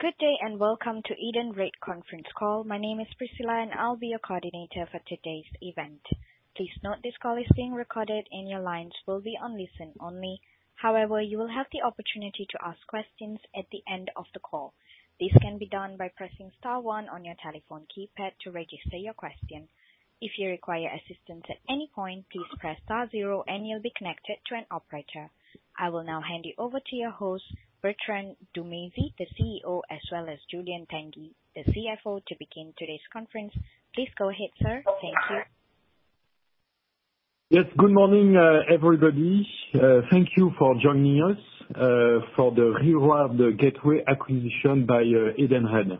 Good day. Welcome to Edenred conference call. My name is Priscilla. I'll be your coordinator for today's event. Please note this call is being recorded. Your lines will be on listen only. However, you will have the opportunity to ask questions at the end of the call. This can be done by pressing star one on your telephone keypad to register your question. If you require assistance at any point, please press star zero and you'll be connected to an operator. I will now hand you over to your host, Bertrand Dumazy, the CEO, as well as Julien Tanguy, the CFO, to begin today's conference. Please go ahead, sir. Thank you. Good morning, everybody. Thank you for joining us for the Reward Gateway acquisition by Edenred.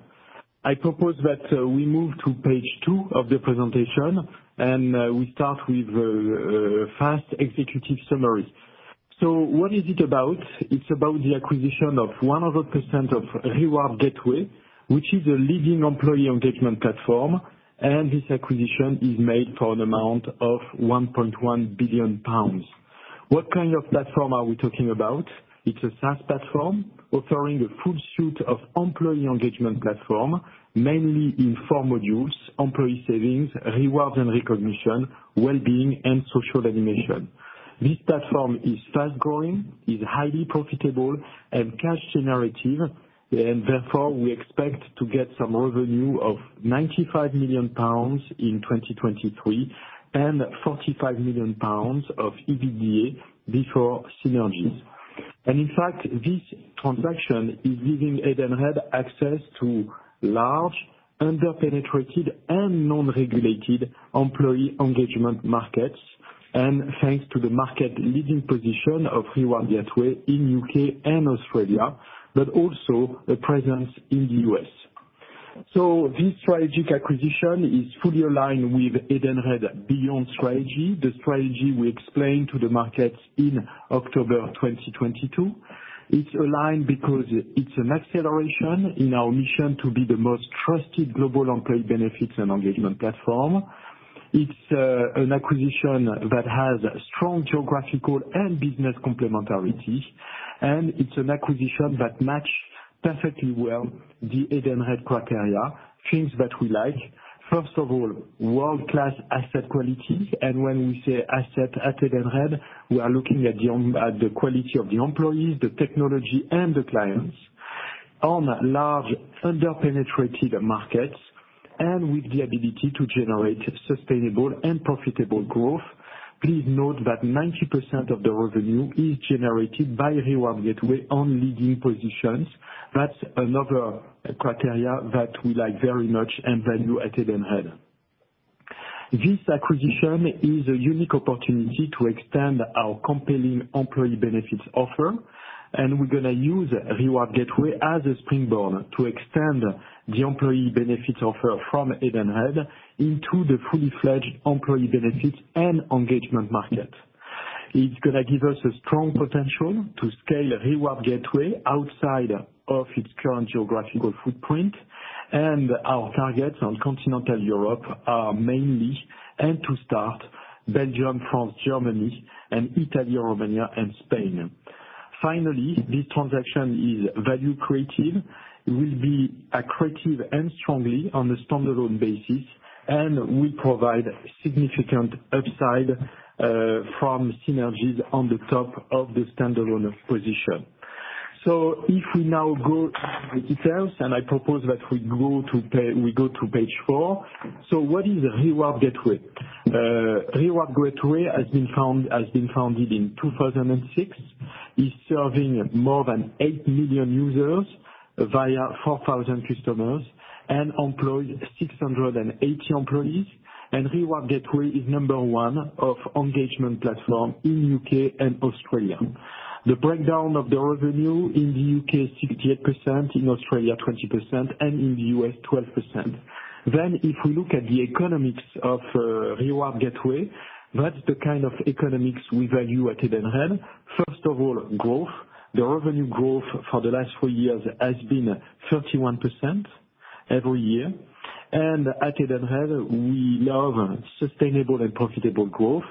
I propose that we move to page two of the presentation and we start with a fast executive summary. What is it about? It's about the acquisition of 100% of Reward Gateway, which is a leading employee engagement platform. This acquisition is made for an amount of 1.1 billion pounds. What kind of platform are we talking about? It's a SaaS platform offering a full suite of employee engagement platform, mainly in 4 modules, employee savings, reward and recognition, well-being and social animation. This platform is fast-growing, is highly profitable and cash generative, and therefore we expect to get some revenue of 95 million pounds in 2023, and 45 million pounds of EBITDA before synergies. In fact, this transaction is giving Edenred access to large, under-penetrated and non-regulated employee engagement markets. Thanks to the market-leading position of Reward Gateway in U.K. and Australia, but also a presence in the U.S. This strategic acquisition is fully aligned with Edenred Beyond strategy, the strategy we explained to the markets in October of 2022. It's aligned because it's an acceleration in our mission to be the most trusted global employee benefits and engagement platform. It's an acquisition that has strong geographical and business complementarity, and it's an acquisition that match perfectly well the Edenred criteria. Things that we like. First of all, world-class asset quality. When we say asset at Edenred, we are looking at the quality of the employees, the technology and the clients on large under-penetrated markets and with the ability to generate sustainable and profitable growth. Please note that 90% of the revenue is generated by Reward Gateway on leading positions. That's another criteria that we like very much and value at Edenred. This acquisition is a unique opportunity to extend our compelling employee benefits offer, and we're gonna use Reward Gateway as a springboard to extend the employee benefits offer from Edenred into the fully fledged employee benefits and engagement market. It's gonna give us a strong potential to scale Reward Gateway outside of its current geographical footprint. Our targets on continental Europe are mainly, and to start, Belgium, France, Germany and Italy, Romania and Spain. Finally, this transaction is value creative, will be accretive and strongly on a standalone basis, and will provide significant upside from synergies on the top of the standalone position. If we now go to the details, and I propose that we go to page four. What is Reward Gateway? Reward Gateway has been founded in 2006, is serving more than 8 million users via 4,000 customers, and employs 680 employees. Reward Gateway is number one of engagement platform in U.K. and Australia. The breakdown of the revenue in the U.K. is 68%, in Australia 20%, and in the U.S. 12%. If we look at the economics of Reward Gateway, that's the kind of economics we value at Edenred. First of all, growth. The revenue growth for the last three years has been 31% every year. At Edenred we love sustainable and profitable growth.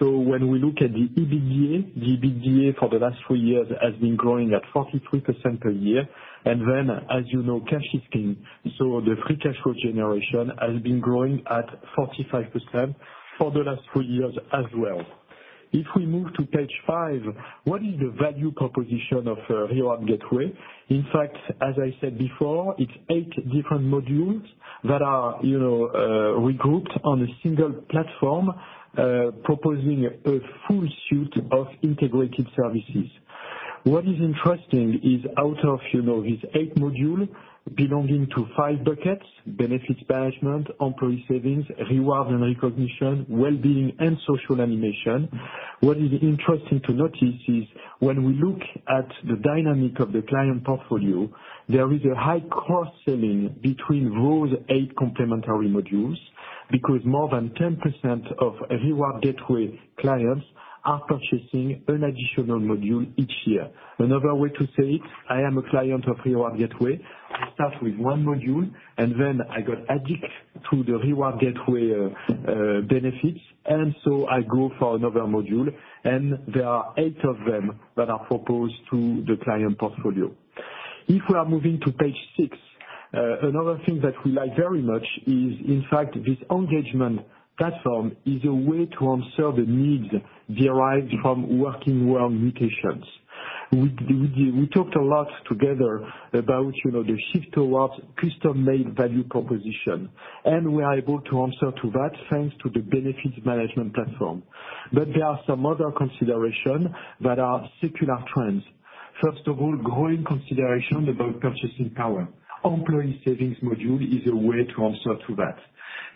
When we look at the EBITDA, the EBITDA for the last three years has been growing at 43% per year. As you know, cash is king. The free cash flow generation has been growing at 45% for the last three years as well. If we move to page five, what is the value proposition of Reward Gateway? In fact, as I said before, it's eight different modules that are, you know, regrouped on a single platform, proposing a full suite of integrated services. What is interesting is out of, you know, these eight module belonging to five buckets, benefits management, employee savings, reward and recognition, well-being and social animation. What is interesting to notice is when we look at the dynamic of the client portfolio, there is a high cross-selling between those 8 complementary modules because more than 10% of Reward Gateway clients are purchasing an additional module each year. Another way to say it, I am a client of Reward Gateway. Start with one module, and then I got addicted to the Reward Gateway benefits. I go for another module, and there are eight of them that are proposed to the client portfolio. If we are moving to page six, another thing that we like very much is, in fact, this engagement platform is a way to answer the needs derived from working world mutations. We talked a lot together about, you know, the shift towards custom-made value proposition, and we are able to answer to that thanks to the benefits management platform. There are some other consideration that are secular trends. First of all, growing consideration about purchasing power. Employee savings module is a way to answer to that.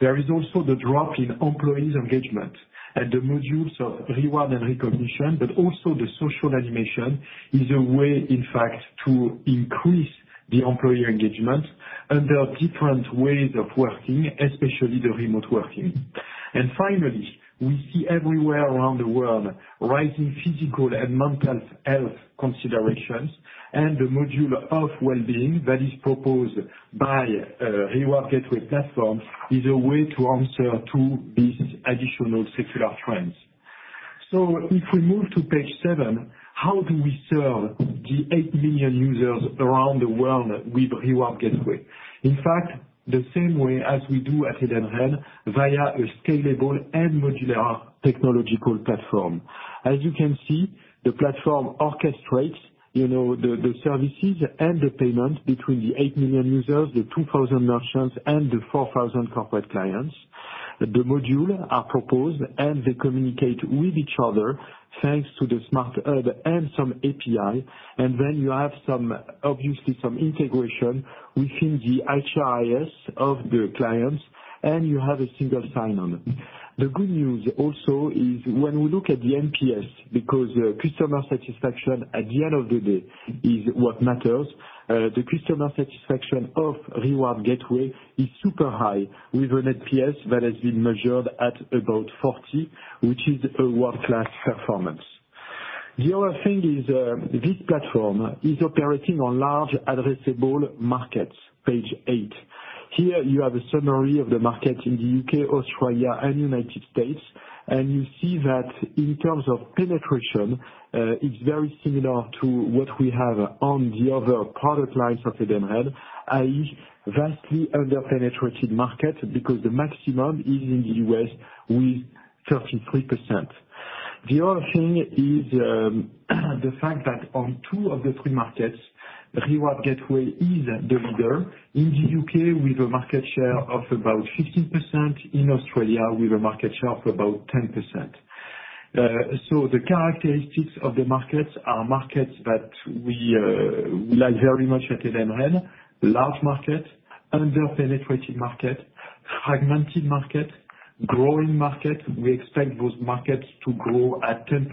There is also the drop in employees' engagement and the modules of reward and recognition, also the social animation is a way, in fact, to increase the employee engagement under different ways of working, especially the remote working. Finally, we see everywhere around the world rising physical and mental health considerations, and the module of well-being that is proposed by Reward Gateway platform is a way to answer to these additional secular trends. If we move to page seven, how do we serve the 8 million users around the world with Reward Gateway? In fact, the same way as we do at Edenred via a scalable and modular technological platform. As you can see, the platform orchestrates, you know, the services and the payment between the 8 million users, the 2,000 merchants and the 4,000 corporate clients. The module are proposed and they communicate with each other thanks to the smart hub and some API. You have some, obviously some integration within the HRIS of the clients, and you have a single sign-on. The good news also is when we look at the NPS, because customer satisfaction at the end of the day is what matters, the customer satisfaction of Reward Gateway is super high, with an NPS that has been measured at about 40, which is a world-class performance. The other thing is, this platform is operating on large addressable markets. Page eight. Here you have a summary of the market in the U.K., Australia and U.S., and you see that in terms of penetration, it's very similar to what we have on the other product lines of Edenred, i.e., vastly under-penetrated market because the maximum is in the U.S. with 33%. The other thing is, the fact that on two of the three markets, Reward Gateway is the leader. In the U.K. with a market share of about 15%, in Australia with a market share of about 10%. The characteristics of the markets are markets that we like very much at Edenred. Large markets, under-penetrated market, fragmented market, growing market. We expect those markets to grow at 10%,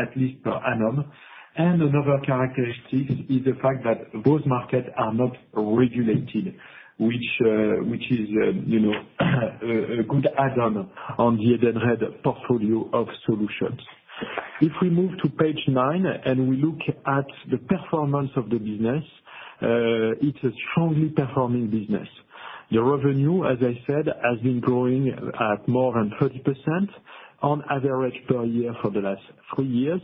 at least per annum. Another characteristic is the fact that those markets are not regulated, which is, you know, a good add-on on the Edenred portfolio of solutions. If we move to page nine and we look at the performance of the business, it's a strongly performing business. The revenue, as I said, has been growing at more than 30% on average per year for the last three years.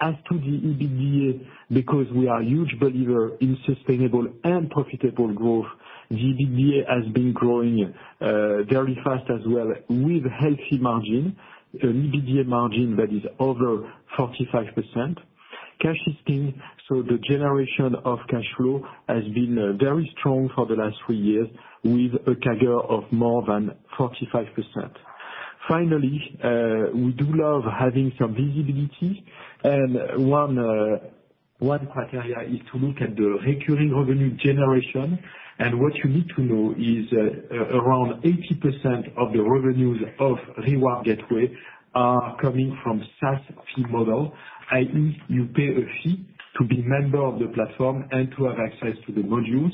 As to the EBITDA, because we are huge believer in sustainable and profitable growth, the EBITDA has been growing very fast as well with healthy margin. An EBITDA margin that is over 45%. Cash is king. The generation of cash flow has been very strong for the last three years with a CAGR of more than 45%. Finally, we do love having some visibility and one criteria is to look at the recurring revenue generation. What you need to know is, around 80% of the revenues of Reward Gateway are coming from SaaS fee model, i.e., you pay a fee to be member of the platform and to have access to the modules.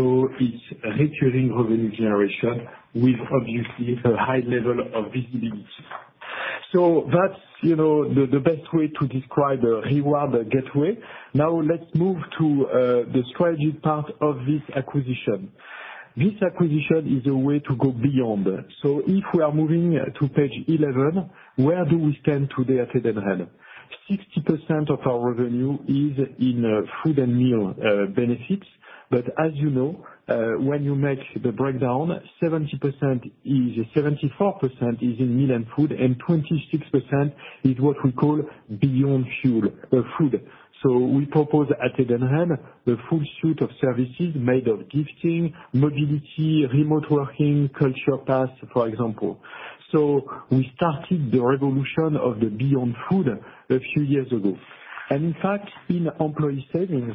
It's a recurring revenue generation with, obviously, a high level of visibility. That's, you know, the best way to describe the Reward Gateway. Now let's move to the strategy part of this acquisition. This acquisition is a way to go Beyond. If we are moving to page 11, where do we stand today at Edenred? Sixty percent of our revenue is in food and meal benefits. As you know, when you make the breakdown, 74% is in meal and food, and 26% is what we call Beyond food. We propose at Edenred the full suite of services made of gifting, mobility, remote working, culture pass, for example. We started the revolution of the Beyond food a few years ago. In fact, in employee savings,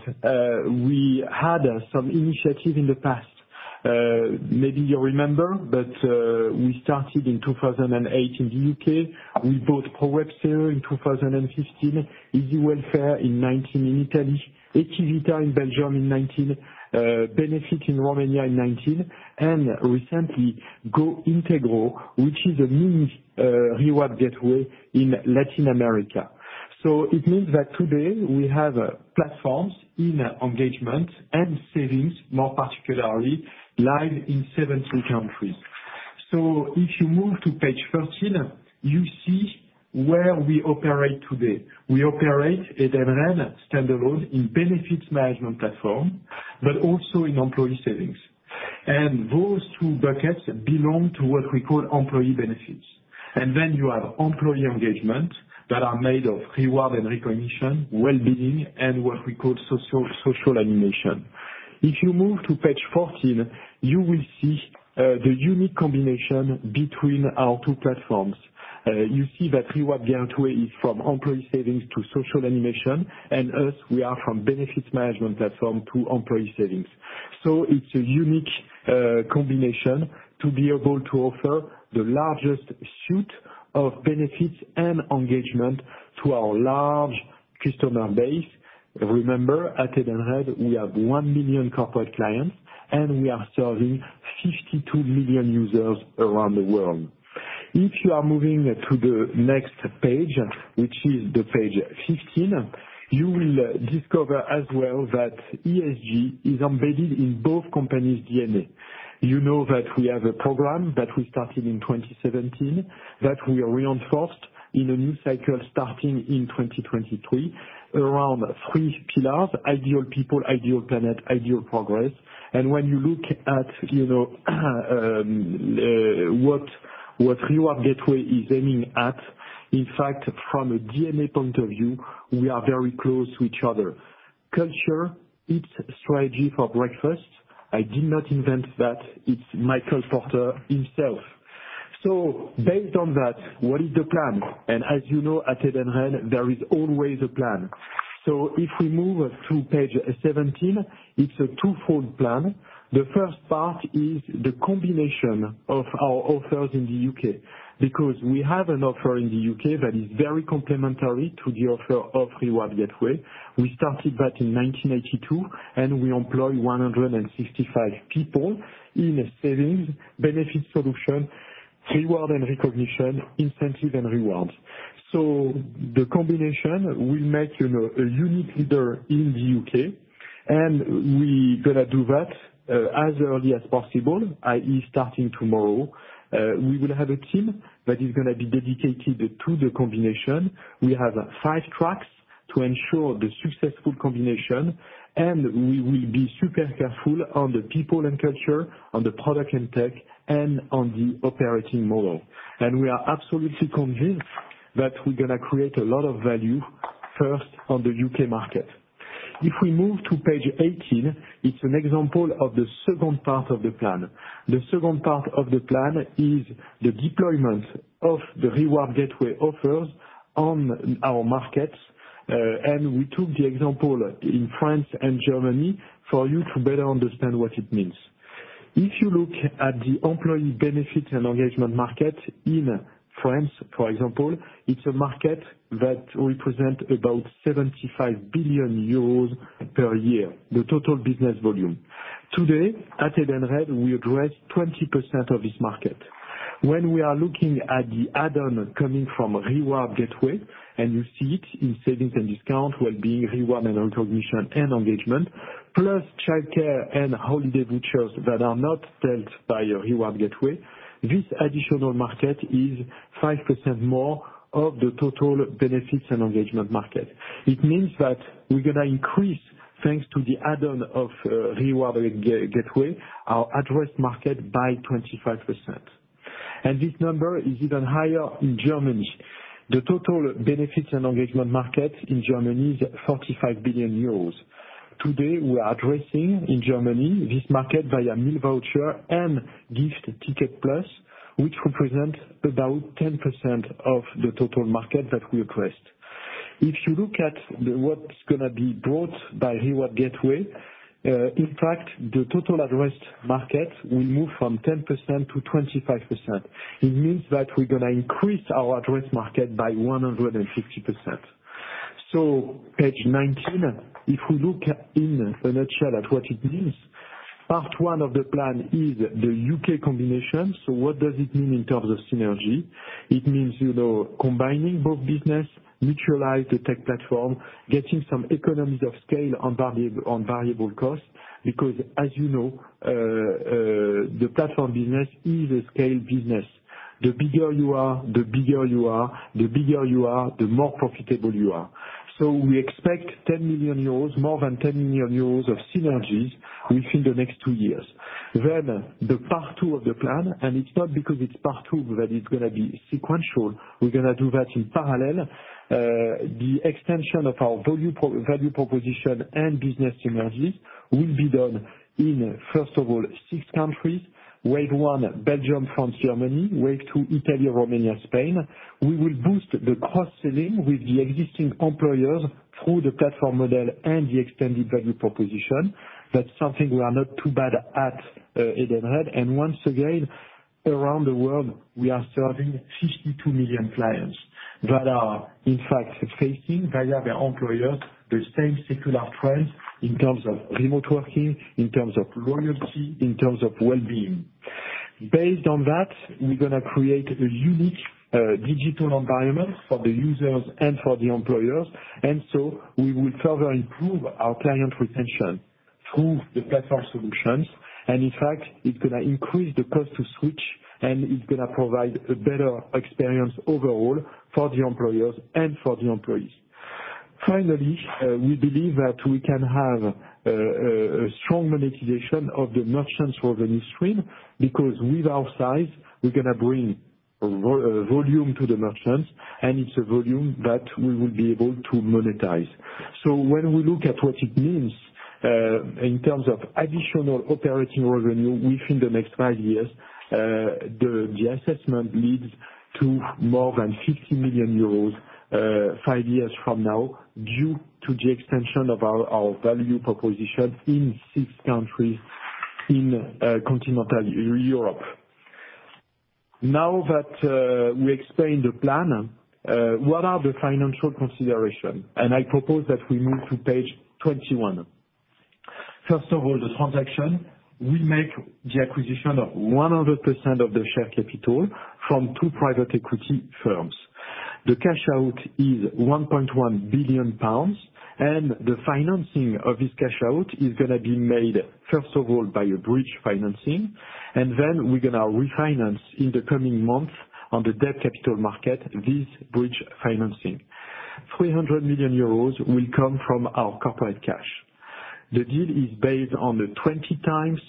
we had some initiative in the past. Maybe you remember, but we started in 2008 in the U.K. We bought ProwebCE in 2015, Easy Welfare in 2019 in Italy, Ekivita in Belgium in 2019, Benefit Online in Romania in 2019, and recently GOintegro, which is a mini Reward Gateway in Latin America. It means that today we have platforms in engagement and savings, more particularly live in 70 countries. If you move to page 13, you see where we operate today. We operate at Edenred standalone in benefits management platform, but also in employee savings. Those two buckets belong to what we call employee benefits. Then you have employee engagement that are made of reward and recognition, well-being, and what we call social animation. If you move to page 14, you will see the unique combination between our two platforms. You see that Reward Gateway is from employee savings to social animation, and us, we are from benefits management platform to employee savings. It's a unique combination to be able to offer the largest suite of benefits and engagement to our large customer base. Remember, at Edenred, we have 1 million corporate clients, and we are serving 52 million users around the world. If you are moving to the next page, which is the page 15, you will discover as well that ESG is embedded in both companies' DNA. You know that we have a program that we started in 2017, that we reinforced in a new cycle starting in 2023 around three pillars: IdealPeople, IdealPlanet, IdealProgress. When you look at, you know, what Reward Gateway is aiming at, in fact, from a DNA point of view, we are very close to each other. Culture eats strategy for breakfast. I did not invent that. It's Michael Porter himself. Based on that, what is the plan? As you know, at Edenred, there is always a plan. If we move through page 17, it's a twofold plan. The first part is the combination of our offers in the U.K., because we have an offer in the U.K. that is very complementary to the offer of Reward Gateway. We started that in 1982, and we employ 165 people in savings, benefit solution, reward and recognition, incentive and rewards. The combination will make, you know, a unique leader in the U.K., we gonna do that as early as possible, i.e., starting tomorrow. We will have a team that is gonna be dedicated to the combination. We have five tracks to ensure the successful combination, we will be super careful on the people and culture, on the product and tech, and on the operating model. We are absolutely convinced that we're gonna create a lot of value, first, on the U.K. market. If we move to page 18, it's an example of the second part of the plan. The second part of the plan is the deployment of the Reward Gateway offers on our markets. We took the example in France and Germany for you to better understand what it means. If you look at the employee benefit and engagement market in France, for example, it's a market that represent about 75 billion euros per year, the total business volume. Today, at Edenred, we address 20% of this market. When we are looking at the add-on coming from Reward Gateway, and you see it in savings and discount, well-being, reward and recognition, and engagement, plus childcare and holiday vouchers that are not dealt by Reward Gateway, this additional market is 5% more of the total benefits and engagement market. It means that we're gonna increase, thanks to the add-on of Reward Gateway, our addressed market by 25%. This number is even higher in Germany. The total benefits and engagement market in Germany is 45 billion euros. Today, we are addressing, in Germany, this market via meal voucher and gift Ticket Plus, which represent about 10% of the total market that we addressed. If you look at what's gonna be brought by Reward Gateway, in fact, the total addressed market will move from 10% to 25%. It means that we're gonna increase our addressed market by 150%. Page 19, if we look in a nutshell at what it means, part one of the plan is the U.K. combination. What does it mean in terms of synergy? It means, you know, combining both business, mutualize the tech platform, getting some economies of scale on variable costs, because as you know, the platform business is a scale business. The bigger you are, the more profitable you are. We expect 10 million euros, more than 10 million euros of synergies within the next two years. The part two of the plan, it's not because it's part two that it's gonna be sequential. We're gonna do that in parallel. The extension of our value proposition and business synergies will be done in, first of all, six countries. Wave one, Belgium, France, Germany. Wave two, Italy, Romania, Spain. We will boost the cross-selling with the existing employers through the platform model and the extended value proposition. That's something we are not too bad at, Edenred. Once again, around the world, we are serving 52 million clients that are, in fact, facing, via their employers, the same secular trends in terms of remote working, in terms of loyalty, in terms of well-being. Based on that, we're gonna create a unique digital environment for the users and for the employers. We will further improve our client retention through the platform solutions. In fact, it's gonna increase the cost to switch, and it's gonna provide a better experience overall for the employers and for the employees. Finally, we believe that we can have a strong monetization of the merchants for the inaudible because with our size we're gonna bring volume to the merchants, and it's a volume that we will be able to monetize. When we look at what it means in terms of additional operating revenue within the next 5 years, the assessment leads to more than 60 million euros five years from now due to the extension of our value proposition in six countries in continental Europe. Now that we explained the plan, what are the financial consideration. I propose that we move to page 21. First of all, the transaction will make the acquisition of 100% of the share capital from two private equity firms. The cash out is 1.1 billion pounds, and the financing of this cash out is gonna be made, first of all by a bridge financing, and then we're gonna refinance in the coming months on the debt capital market, this bridge financing. 300 million euros will come from our corporate cash. The deal is based on the 20x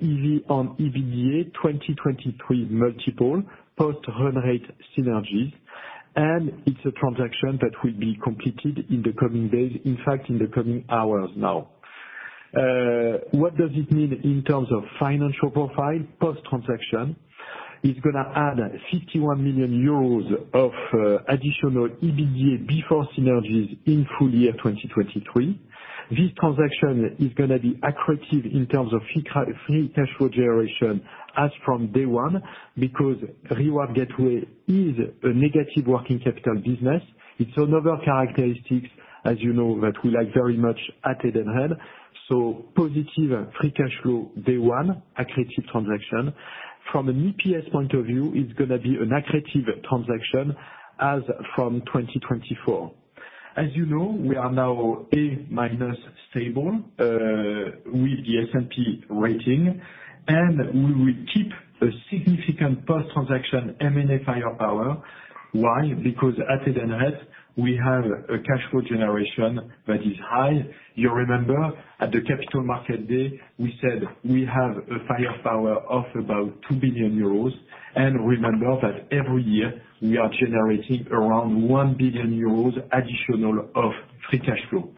EV/EBITDA 2023 multiple post-run rate synergies. it's a transaction that will be completed in the coming days, in fact, in the coming hours now. what does it mean in terms of financial profile post-transaction? It's gonna add 51 million euros of additional EBITDA before synergies in full year 2023. This transaction is gonna be accretive in terms of free cash flow generation as from day one, because Reward Gateway is a negative working capital business. It's another characteristics, as you know, that we like very much at Edenred. positive free cash flow day one, accretive transaction. From an EPS point of view, it's gonna be an accretive transaction as from 2024. As you know, we are now A-/Stable with the S&P rating. We will keep a significant post-transaction M&A firepower. Why? Because at Edenred we have a cash flow generation that is high. You remember at the Capital Markets Day we said we have a firepower of about 2 billion euros. Remember that every year we are generating around 1 billion euros additional of free cash flow.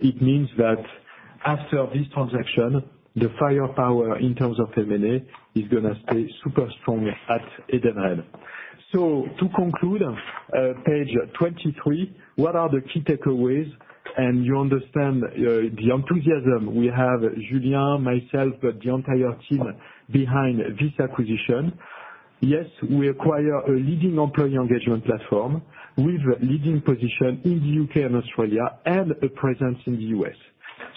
It means that after this transaction, the firepower in terms of M&A is gonna stay super strong at Edenred. To conclude, page 23, what are the key takeaways? You understand the enthusiasm we have, Julien, myself, the entire team behind this acquisition. Yes, we acquire a leading employee engagement platform with leading position in the U.K. and Australia and a presence in the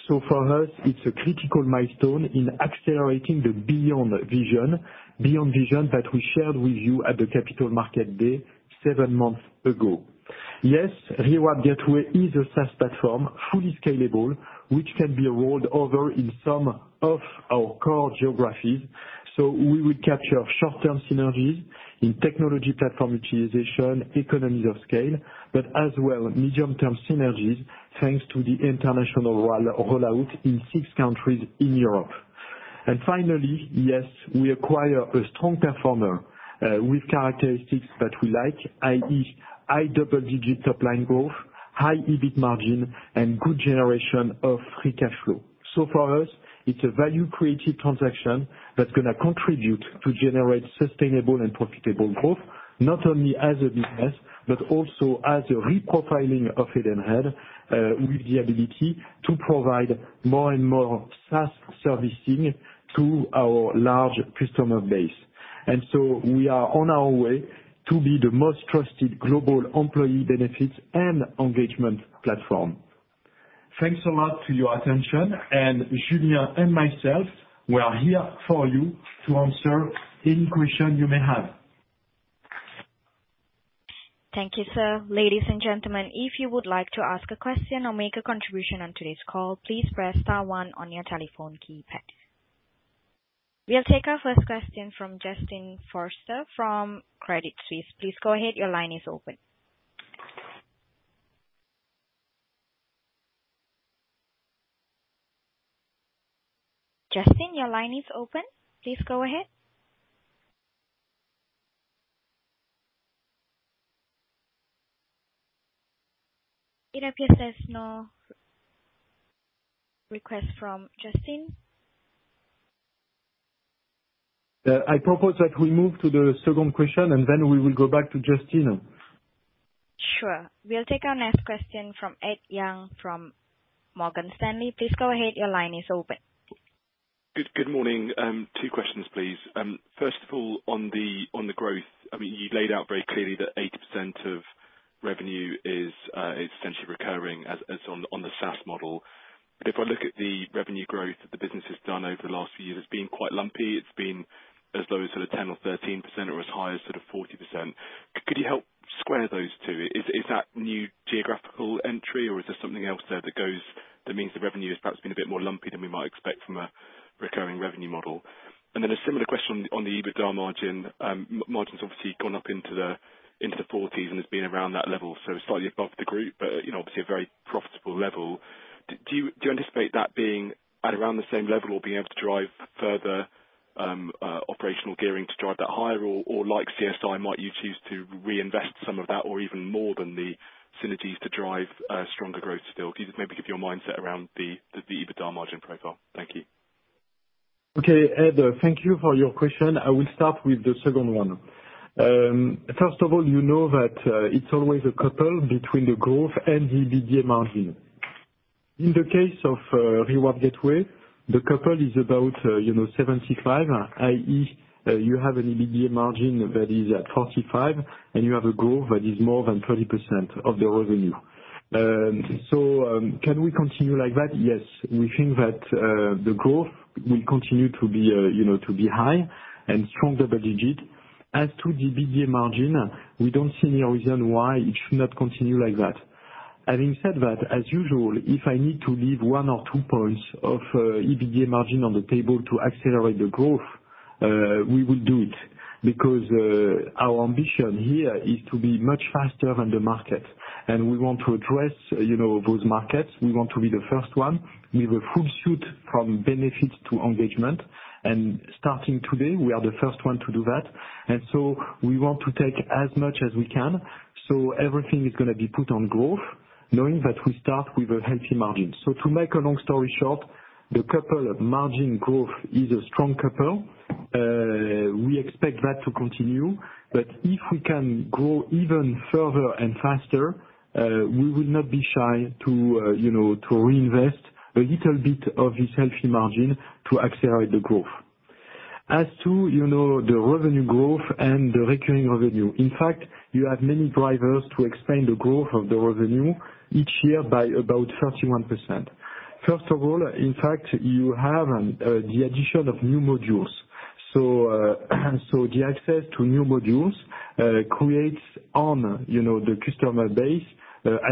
U.S. For us it's a critical milestone in accelerating the Beyond vision that we shared with you at the Capital Markets Day seven months ago. Yes, Reward Gateway is a SaaS platform, fully scalable, which can be rolled over in some of our core geographies. We will capture short-term synergies in technology platform utilization, economies of scale, but as well medium-term synergies, thanks to the international roll-out in six countries in Europe. Finally, yes, we acquire a strong performer, with characteristics that we like, i.e., high double-digit top line growth, high EBIT margin, and good generation of free cash flow. For us, it's a value-creative transaction that's gonna contribute to generate sustainable and profitable growth, not only as a business, but also as a reprofiling of Edenred, with the ability to provide more and more SaaS servicing to our large customer base. We are on our way to be the most trusted global employee benefits and engagement platform. Thanks a lot to your attention. Julien and myself, we are here for you to answer any question you may have. Thank you, sir. Ladies and gentlemen, if you would like to ask a question or make a contribution on today's call, please press star one on your telephone keypad. We will take our first question from Justin Forsythe from Credit Suisse. Please go ahead. Your line is open. Justin, your line is open. Please go ahead. It appears there is no request from Justin. I propose that we move to the second question, and then we will go back to Justin. Sure. We'll take our next question from Ed Young from Morgan Stanley. Please go ahead. Your line is open. Good morning, two questions please. First of all, on the growth, I mean, you laid out very clearly that 80% of revenue is essentially recurring as on the SaaS model. If I look at the revenue growth that the business has done over the last few years, it's been quite lumpy. It's been as low as sort of 10% or 13% or as high as sort of 40%. Could you help square those two? Is that new geographical entry or is there something else there that means the revenue has perhaps been a bit more lumpy than we might expect from a recurring revenue model? A similar question on the EBITDA margin. Margins obviously gone up into the 40s and has been around that level, so slightly above the group, but you know, obviously a very profitable level. Do you, do you anticipate that being at around the same level or being able to drive further operational gearing to drive that higher or like CSI, might you choose to reinvest some of that or even more than the synergies to drive stronger growth still? Can you just maybe give your mindset around the EBITDA margin profile? Thank you. Okay, Ed, thank you for your question. I will start with the second one. First of all, you know that it's always a couple between the growth and the EBITDA margin. In the case of Reward Gateway, the couple is about, you know, 75%, i.e., you have an EBITDA margin that is at 45%, and you have a growth that is more than 30% of the revenue. Can we continue like that? Yes. We think that the growth will continue to be, you know, to be high and strong double digits. As to the EBITDA margin, we don't see any reason why it should not continue like that. Having said that, as usual, if I need to leave one or two points of EBITDA margin on the table to accelerate the growth, we will do it because our ambition here is to be much faster than the market. We want to address, you know, those markets. We want to be the first one with a full suite from benefit to engagement. Starting today, we are the first one to do that. So we want to take as much as we can, so everything is gonna be put on growth knowing that we start with a healthy margin. To make a long story short, the couple of margin growth is a strong couple. We expect that to continue, but if we can grow even further and faster, we will not be shy to, you know, to reinvest a little bit of this healthy margin to accelerate the growth. As to, you know, the revenue growth and the recurring revenue, in fact, you have many drivers to explain the growth of the revenue each year by about 31%. First of all, in fact, you have the addition of new modules. The access to new modules creates on, you know, the customer base,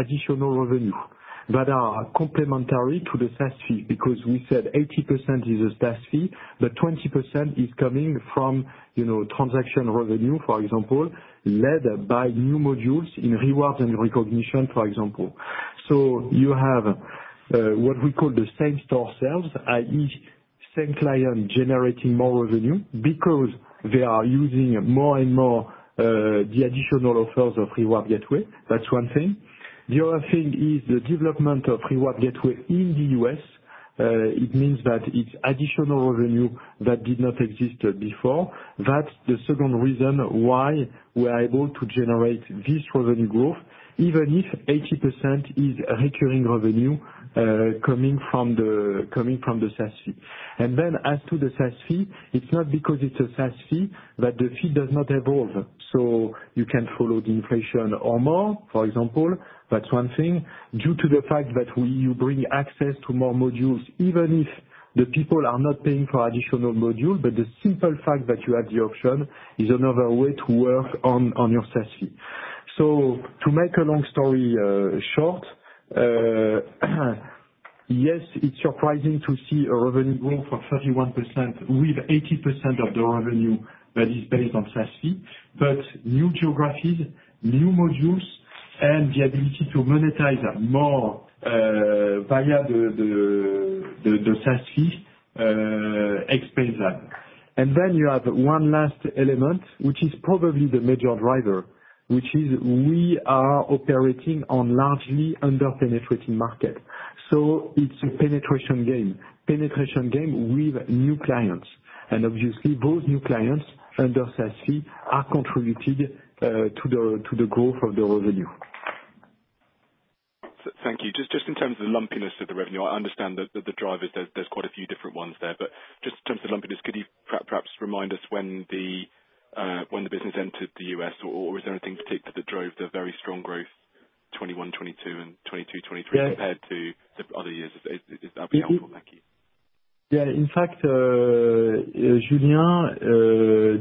additional revenue that are complementary to the SaaS fee because we said 80% is a SaaS fee, but 20% is coming from, you know, transaction revenue, for example, led by new modules in reward and recognition, for example. You have, what we call the same-store sales, i.e. same client generating more revenue because they are using more and more the additional offers of Reward Gateway. That's one thing. The other thing is the development of Reward Gateway in the U.S. It means that it's additional revenue that did not exist before. That's the second reason why we're able to generate this revenue growth, even if 80% is recurring revenue, coming from the SaaS fee. As to the SaaS fee, it's not because it's a SaaS fee that the fee does not evolve. You can follow the inflation or more, for example. That's one thing. Due to the fact that we bring access to more modules, even if the people are not paying for additional modules, but the simple fact that you have the option is another way to work on your SaaS fee. To make a long story short, yes, it's surprising to see a revenue growth of 31% with 80% of the revenue that is based on SaaS fee. New geographies, new modules, and the ability to monetize more via the SaaS fee explains that. Then you have one last element, which is probably the major driver, which is we are operating on largely under-penetrating market. It's a penetration game. Penetration game with new clients. Obviously those new clients under SaaS fee are contributed to the growth of the revenue. Thank you. Just in terms of the lumpiness of the revenue, I understand that the drivers there's quite a few different ones there. Just in terms of the lumpiness, could you perhaps remind us when the business entered the U.S. or was there anything particular that drove the very strong growth 2021, 2022 and 2022, 2023? Yes. Compared to the other years? Is that helpful? Thank you. In fact, Julien,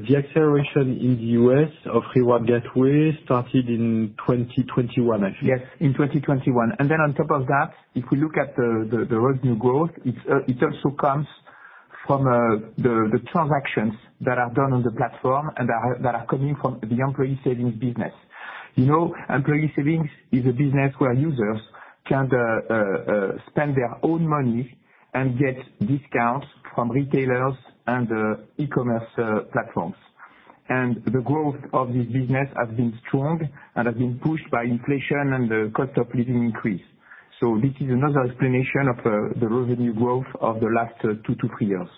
the acceleration in the U.S. of Reward Gateway started in 2021 actually. Yes, in 2021. Then on top of that, if we look at the revenue growth, it's, it also comes from the transactions that are done on the platform and that are coming from the employee savings business. You know, employee savings is a business where users can spend their own money and get discounts from retailers and e-commerce platforms. The growth of this business has been strong and has been pushed by inflation and the cost of living increase. This is another explanation of the revenue growth of the last two to three years.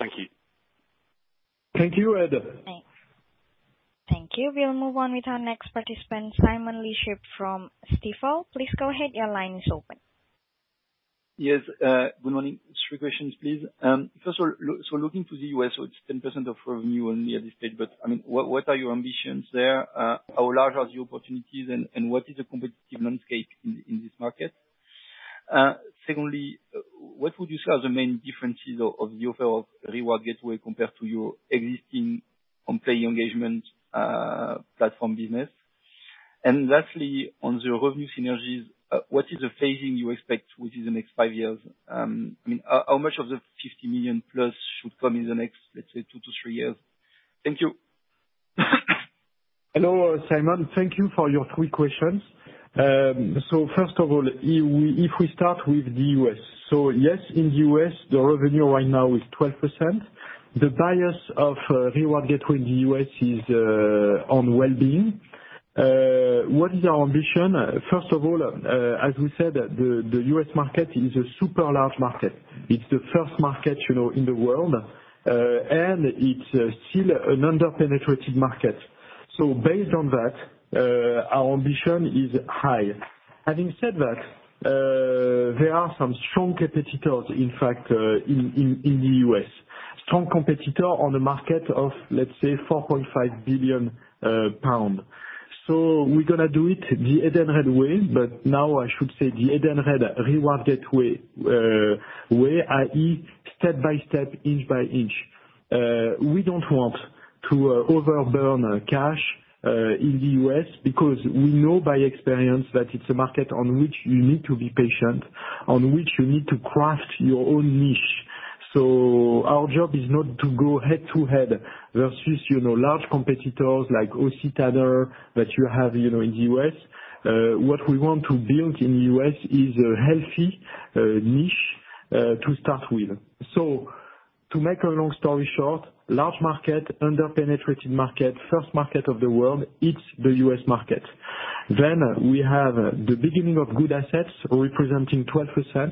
Thank you. Thank you, Ed. Thanks. Thank you. We'll move on with our next participant, Simon Lechipre from Stifel. Please go ahead. Your line is open. Yes, good morning. Three questions, please. First of all, so we're looking to the U.S., so it's 10% of revenue only at this stage, but, I mean, what are your ambitions there? How large are the opportunities, and what is the competitive landscape in this market? Secondly, what would you say are the main differences of the offer of Reward Gateway compared to your existing employee engagement platform business? Lastly, on the revenue synergies, what is the phasing you expect within the next five years? I mean, how much of the 50+ million should come in the next, let's say, two to three years? Thank you. Hello, Simon. Thank you for your three questions. First of all, if we start with the U.S. Yes, in the U.S., the revenue right now is 12%. The bias of Reward Gateway in the U.S. is on well-being. What is our ambition? First of all, as we said, the U.S. market is a super large market. It's the first market, you know, in the world. It's still an under-penetrated market. Based on that, our ambition is high. Having said that, there are some strong competitors, in fact, in the U.S. Strong competitor on the market of, let's say, 4.5 billion pounds. We're gonna do it the Edenred way, but now I should say the Edenred Reward Gateway way, i.e., step by step, inch by inch. We don't want to over-burn cash in the U.S. because we know by experience that it's a market on which you need to be patient, on which you need to craft your own niche. Our job is not to go head to head versus, you know, large competitors like O.C. Tanner, that you have, you know, in the U.S. What we want to build in the U.S. is a healthy niche to start with. To make a long story short, large market, under-penetrated market, first market of the world, it's the U.S. market. We have the beginning of good assets representing 12%.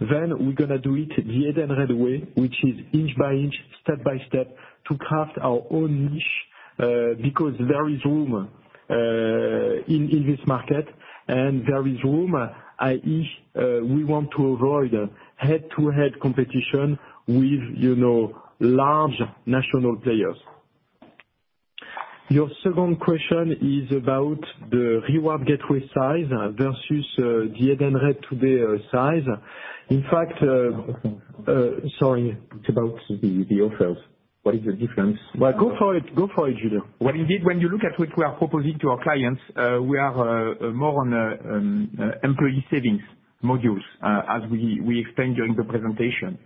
We're gonna do it the Edenred way, which is inch by inch, step by step, to craft our own niche because there is room in this market. There is room, i.e., we want to avoid head-to-head competition with, you know, large national players. Your second question is about the Reward Gateway size versus the Edenred today size. In fact— Sorry, it's about the offers. What is the difference? Well, go for it. Go for it, Julien. Indeed, when you look at what we are proposing to our clients, we are more on a employee savings modules, as we explained during the presentation.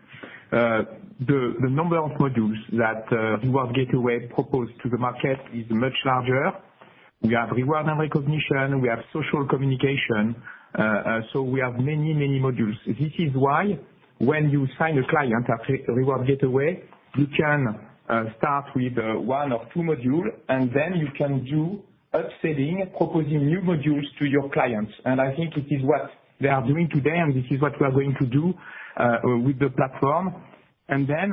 The number of modules that Reward Gateway propose to the market is much larger. We have reward and recognition, we have social communication. We have many, many modules. This is why when you sign a client at Reward Gateway, you can start with one or two module, and then you can do upselling, proposing new modules to your clients. I think this is what they are doing today, and this is what we are going to do with the platform. Then,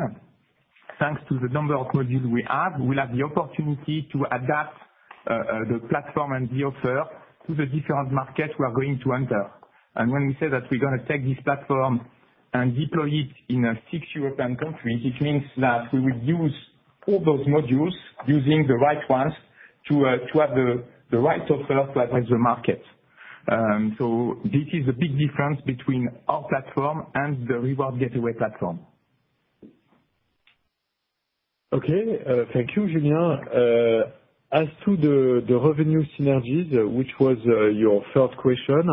thanks to the number of modules we have, we'll have the opportunity to adapt the platform and the offer to the different markets we are going to enter. When we say that we're gonna take this platform and deploy it in six European countries, it means that we will use all those modules using the right ones to have the right offer that has the market. So this is the big difference between our platform and the Reward Gateway platform. Okay. Thank you, Julien. As to the revenue synergies, which was your third question.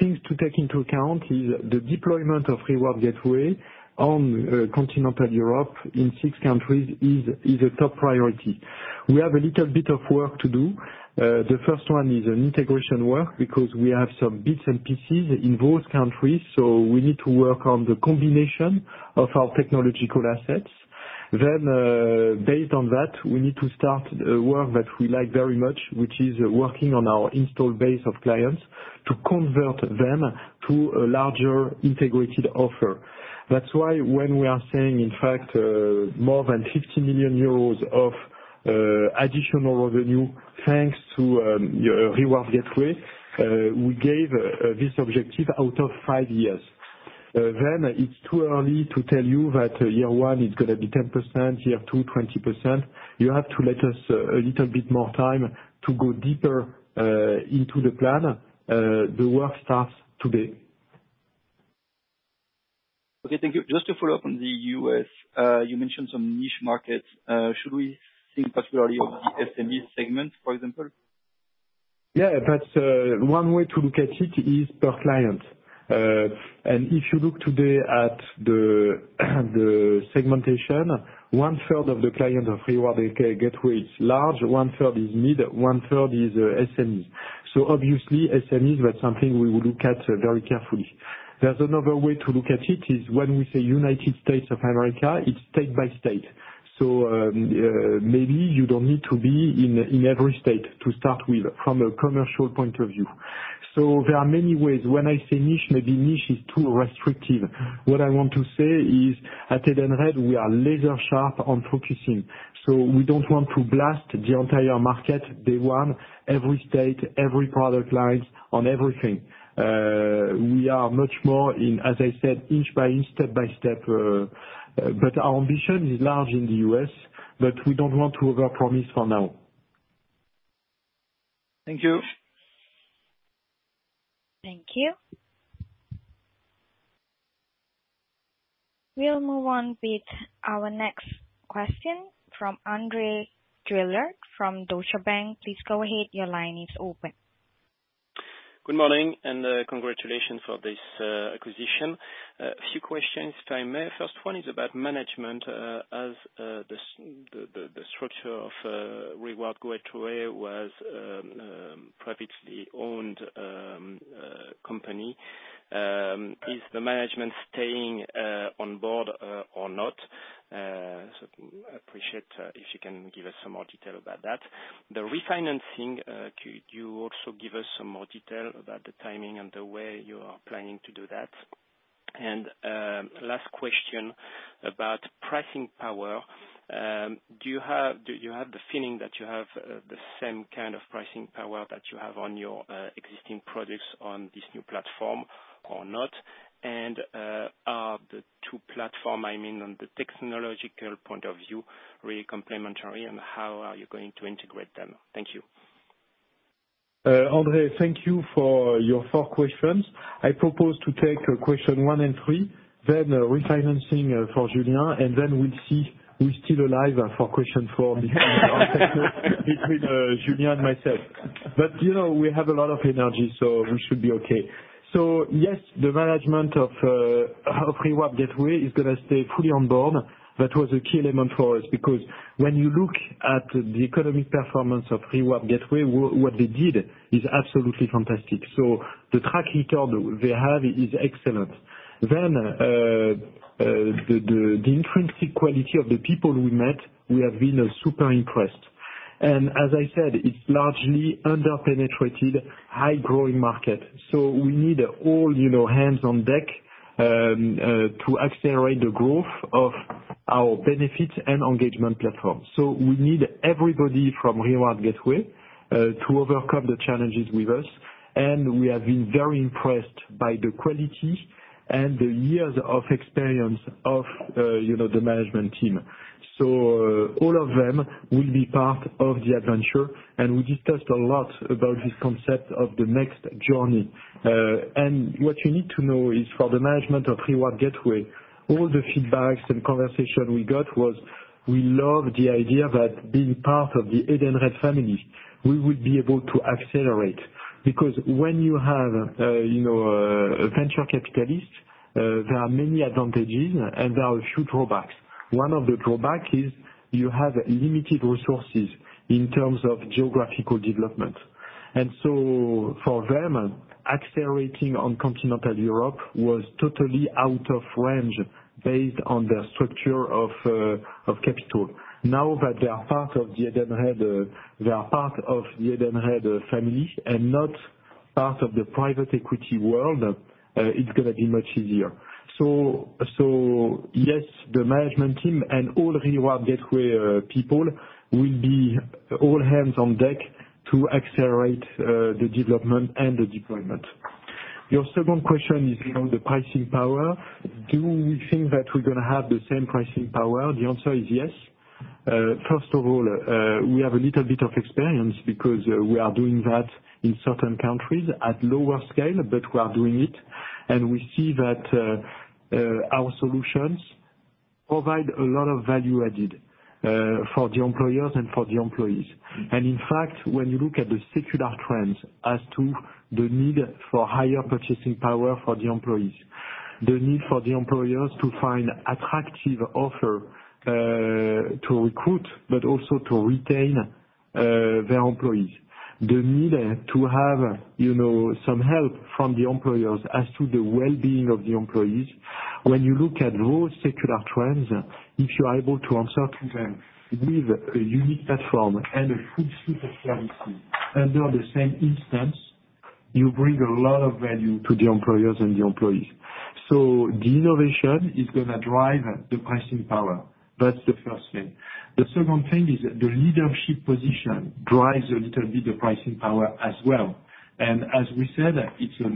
Things to take into account is the deployment of Reward Gateway on continental Europe in six countries is a top priority. We have a little bit of work to do. The first one is an integration work, because we have some bits and pieces in both countries, so we need to work on the combination of our technological assets. Based on that, we need to start work that we like very much, which is working on our install base of clients to convert them to a larger integrated offer. That's why when we are saying, in fact, more than 50 million euros of additional revenue thanks to Reward Gateway, we gave this objective out of five years. It's too early to tell you that year one is gonna be 10%, year two, 20%. You have to let us a little bit more time to go deeper into the plan. The work starts today. Okay, thank you. Just to follow up on the U.S., you mentioned some niche markets. Should we think particularly of the SME segment, for example? Yeah, that's one way to look at it is per client. If you look today at the segmentation, one third of the client of Reward Gateway is large, 1/3 is mid, 1/3 is SME. Obviously, SME, that's something we will look at very carefully. There's another way to look at it, is when we say United States of America, it's state by state. Maybe you don't need to be in every state to start with, from a commercial point of view. There are many ways. When I say niche, maybe niche is too restrictive. What I want to say is, at Edenred we are laser-sharp on focusing. We don't want to blast the entire market day one, every state, every product lines on everything. We are much more in, as I said, inch by inch, step by step, but our ambition is large in the U.S., but we don't want to overpromise for now. Thank you. Thank you. We'll move on with our next question from André Juillard from Deutsche Bank. Please go ahead. Your line is open. Good morning and congratulations for this acquisition. A few questions if I may. First one is about management, as the structure of Reward Gateway was privately owned company. Is the management staying on board or not? So appreciate if you can give us some more detail about that. The refinancing, could you also give us some more detail about the timing and the way you are planning to do that? Last question about pricing power. Do you have the feeling that you have the same kind of pricing power that you have on your existing products on this new platform or not? Are the two platforms, I mean on the technological point of view, really complementary, and how are you going to integrate them? Thank you. André, thank you for your four questions. I propose to take question one and three, then refinancing for Julien, and then we'll see we still alive for question four between Julien and myself. You know, we have a lot of energy, so we should be okay. Yes, the management of Reward Gateway is gonna stay fully on board. That was a key element for us because when you look at the economic performance of Reward Gateway, what they did is absolutely fantastic. The track record they have is excellent. The intrinsic quality of the people we met, we have been super impressed. As I said, it's largely under-penetrated high growth market, so we need all, you know, hands on deck to accelerate the growth of our benefits and engagement platform. We need everybody from Reward Gateway to overcome the challenges with us. We have been very impressed by the quality and the years of experience of, you know, the management team. All of them will be part of the adventure, and we discussed a lot about this concept of the next journey. What you need to know is for the management of Reward Gateway, all the feedbacks and conversation we got was we love the idea that being part of the Edenred family we would be able to accelerate. Because when you have, you know, a venture capitalist, there are many advantages and there are a few drawbacks. One of the drawback is you have limited resources in terms of geographical development. For them, accelerating on continental Europe was totally out of range based on their structure of capital. Now that they are part of Edenred, they are part of the Edenred family and not part of the private equity world, it's gonna be much easier. Yes, the management team and all Reward Gateway people will be all hands on deck to accelerate the development and the deployment. Your second question is around the pricing power. Do we think that we're gonna have the same pricing power? The answer is yes. First of all, we have a little bit of experience because we are doing that in certain countries at lower scale, but we are doing it, and we see that our solutions provide a lot of value added for the employers and for the employees. In fact, when you look at the secular trends as to the need for higher purchasing power for the employees, the need for the employers to find attractive offer to recruit but also to retain their employees, the need to have, you know, some help from the employers as to the well-being of the employees. When you look at those secular trends, if you're able to answer to them with a unique platform and a full suite of services under the same instance, you bring a lot of value to the employers and the employees. The innovation is gonna drive the pricing power. That's the first thing. The second thing is the leadership position drives a little bit the pricing power as well. As we said, it's a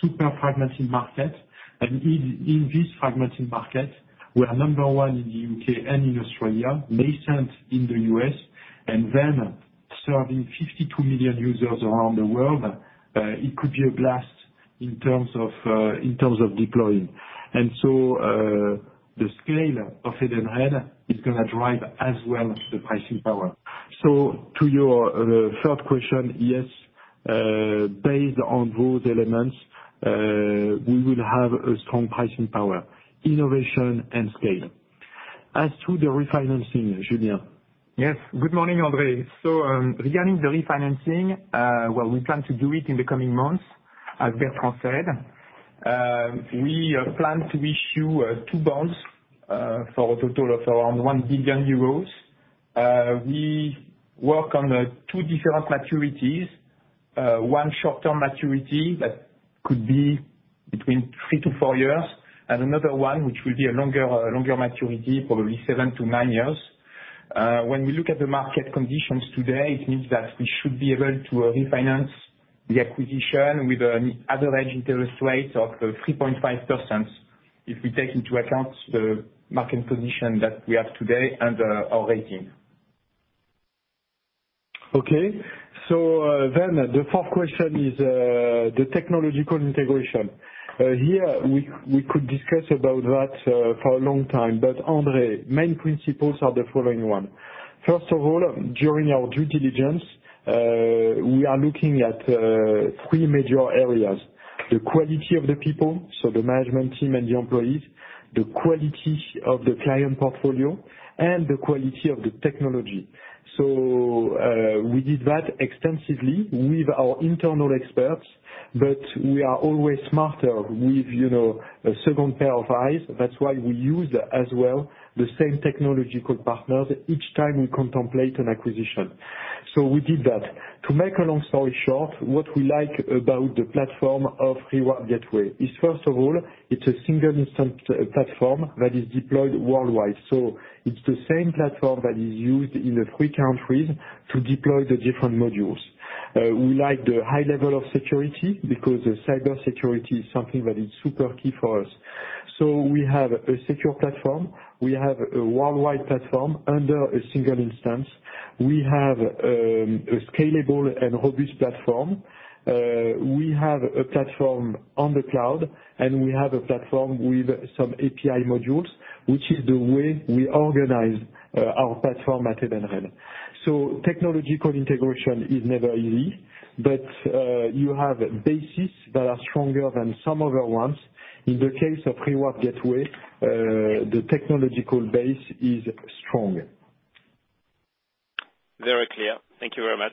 super fragmented market. In this fragmented market, we are number one in the U.K. and in Australia, nascent in the U.S., then serving 52 million users around the world, it could be a blast in terms of, in terms of deploying. The scale of Edenred is gonna drive as well as the pricing power. To your third question, yes, based on those elements, we will have a strong pricing power, innovation and scale. As to the refinancing, Julien. Good morning, André. Regarding the refinancing, well, we plan to do it in the coming months, as Bertrand said. We plan to issue two bonds for a total of around 1 billion euros. We work on two different maturities. One short-term maturity that could be between three to four years and another one, which will be a longer maturity, probably seven to nine years. When we look at the market conditions today, it means that we should be able to refinance the acquisition with an average interest rate of 3.5% if we take into account the market condition that we have today and our rating. Okay. The fourth question is the technological integration. Here we could discuss about that for a long time, André, main principles are the following one. First of all, during our due diligence, we are looking at three major areas, the quality of the people, so the management team and the employees, the quality of the client portfolio and the quality of the technology. We did that extensively with our internal experts, but we are always smarter with, you know, a second pair of eyes. That's why we use as well the same technological partners each time we contemplate an acquisition. We did that. To make a long story short, what we like about the platform of Reward Gateway is, first of all, it's a single instant platform that is deployed worldwide. It's the same platform that is used in the three countries to deploy the different modules. We like the high level of security because cybersecurity is something that is super key for us. We have a secure platform. We have a worldwide platform under a single instance. We have a scalable and robust platform. We have a platform on the cloud, and we have a platform with some API modules, which is the way we organize our platform at Edenred. Technological integration is never easy, but you have bases that are stronger than some other ones. In the case of Reward Gateway, the technological base is strong. Very clear. Thank you very much.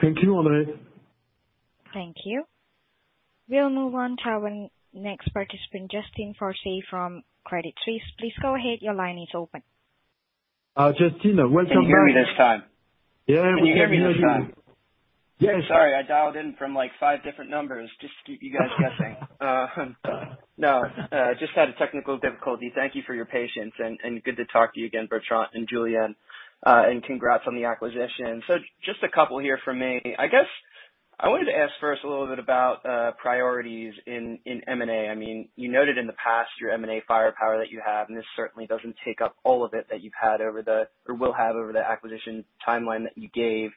Thank you, André. Thank you. We'll move on to our next participant, Justin Forsythe from Credit Suisse. Please go ahead. Your line is open. Justin, welcome back. Can you hear me this time? Yeah. Can you hear me this time? Yes. Sorry, I dialed in from like five different numbers just to keep you guys guessing. No, just had a technical difficulty. Thank you for your patience and good to talk to you again, Bertrand and Julien. And congrats on the acquisition. Just a couple here from me. I guess I wanted to ask first a little bit about priorities in M&A. I mean, you noted in the past your M&A firepower that you have, and this certainly doesn't take up all of it that you've had over the or will have over the acquisition timeline that you gave,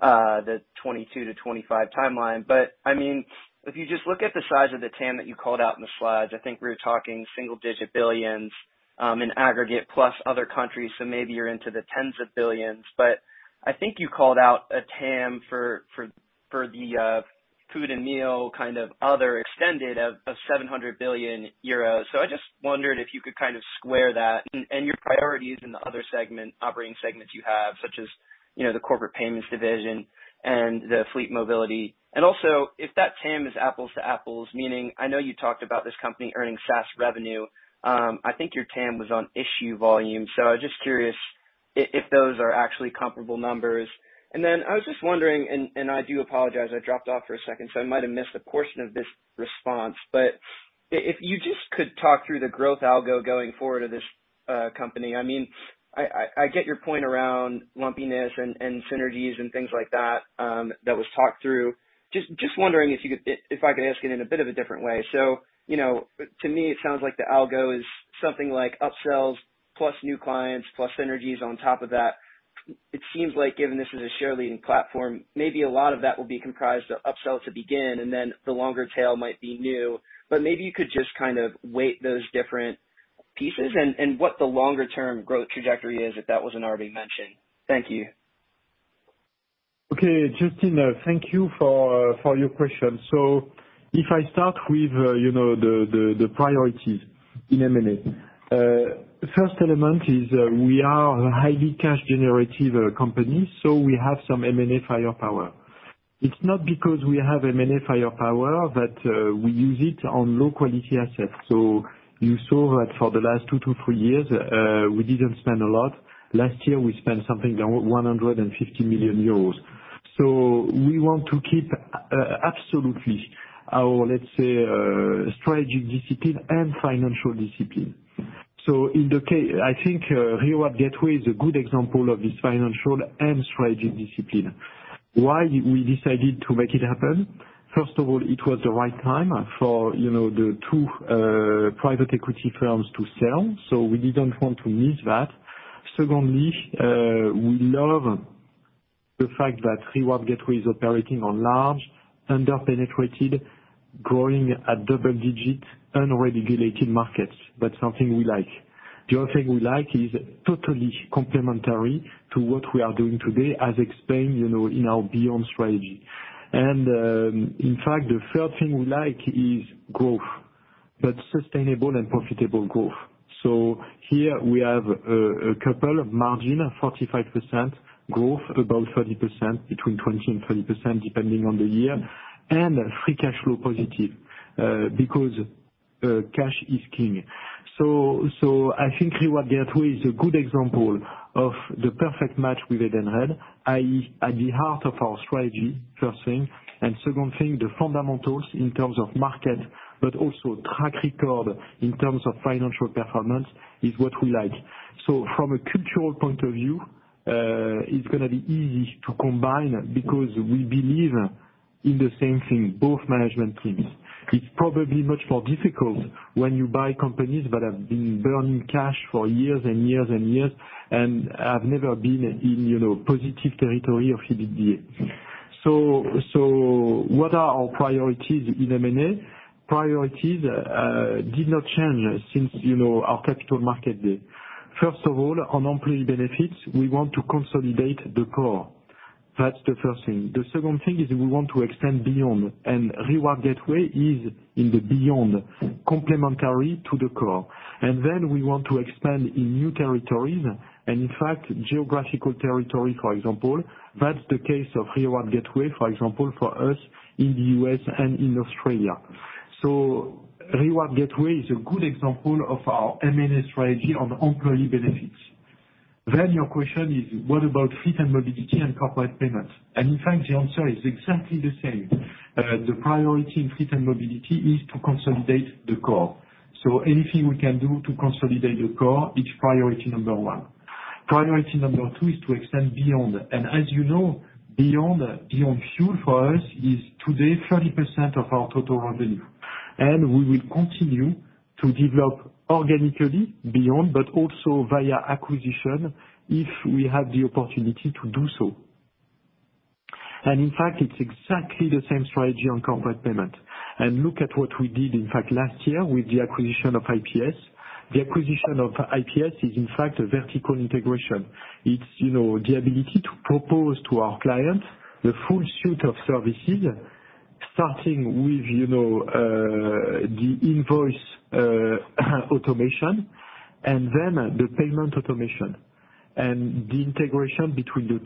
the 2022-2025 timeline. I mean, if you just look at the size of the TAM that you called out in the slides, I think we were talking single-digit billions in aggregate plus other countries. Maybe you're into the tens of billions. I think you called out a TAM for the food and meal, kind of other extended of 700 billion euros. I just wondered if you could kind of square that and your priorities in the other segment, operating segments you have, such as, you know, the corporate payments division and the fleet mobility. Also if that TAM is apples to apples, meaning I know you talked about this company earning SaaS revenue. I think your TAM was on issue volume. I was just curious if those are actually comparable numbers. Then I was just wondering, and I do apologize, I dropped off for a second, so I might have missed a portion of this response. If you just could talk through the growth algo going forward of this company. I mean, I get your point around lumpiness and synergies and things like that was talked through. Just wondering if I could ask it in a bit of a different way. You know, to me it sounds like the algo is something like upsells plus new clients plus synergies on top of that. It seems like given this is a share leading platform, maybe a lot of that will be comprised of upsell to begin, and then the longer tail might be new. Maybe you could just kind of weight those different pieces and what the longer-term growth trajectory is, if that wasn't already mentioned. Thank you. Justin, thank you for your question. If I start with, you know, the priorities in M&A. First element is, we are a highly cash generative company, so we have some M&A firepower. It's not because we have M&A firepower that we use it on low quality assets. You saw that for the last two to three years, we didn't spend a lot. Last year we spent something around 150 million euros. We want to keep, absolutely our, let's say, strategy discipline and financial discipline. I think Reward Gateway is a good example of this financial and strategy discipline. Why we decided to make it happen? First of all, it was the right time for, you know, the two private equity firms to sell. We didn't want to miss that. Secondly, we love the fact that Reward Gateway is operating on large, under-penetrated, growing at double-digit, unregulated markets. That's something we like. The other thing we like is totally complementary to what we are doing today, as explained, you know, in our Beyond strategy. In fact, the third thing we like is growth, but sustainable and profitable growth. Here we have a couple of margin, 45% growth, about 30%, between 20% and 30%, depending on the year, and free cash flow positive. Cash is king. I think Reward Gateway is a good example of the perfect match with Edenred, i.e., at the heart of our strategy, first thing. Second thing, the fundamentals in terms of market, but also track record in terms of financial performance is what we like. From a cultural point of view, it's gonna be easy to combine because we believe in the same thing, both management teams. It's probably much more difficult when you buy companies that have been burning cash for years and years and years and have never been in, you know, positive territory of EBITDA. What are our priorities in M&A? Priorities did not change since, you know, our Capital Markets Day. First of all, on employee benefits, we want to consolidate the core. That's the first thing. The second thing is we want to extend Beyond, and Reward Gateway is in the Beyond, complementary to the core. We want to expand in new territories, and in fact, geographical territory, for example, that's the case of Reward Gateway, for example, for us in the U.S. and in Australia. Reward Gateway is a good example of our M&A strategy on employee benefits. Your question is: what about fleet and mobility and corporate payments? In fact, the answer is exactly the same. The priority in fleet and mobility is to consolidate the core. Anything we can do to consolidate the core, it's priority number one. Priority number two is to extend Beyond. As you know, Beyond fuel for us is today 30% of our total revenue. We will continue to develop organically Beyond, but also via acquisition, if we have the opportunity to do so. In fact, it's exactly the same strategy on corporate payment. Look at what we did, in fact, last year with the acquisition of IPS. The acquisition of IPS is, in fact, a vertical integration. It's, you know, the ability to propose to our clients the full suite of services, starting with, you know, the invoice automation and then the payment automation. The integration between the